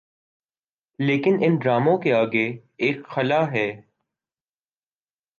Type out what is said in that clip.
لیکن ان ڈراموں کے آگے ایک خلاہے۔